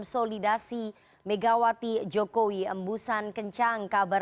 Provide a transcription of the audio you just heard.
selamat malam nana